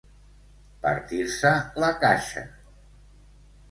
Partir-se la caixa.